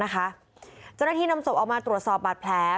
เจ้าหน้าที่นำศพออกมาตรวจสอบบาดแผล